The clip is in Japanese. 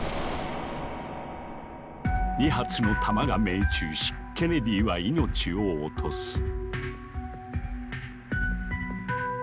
２発の弾が命中しケネディは命を落とす。